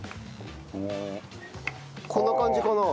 こんな感じかな？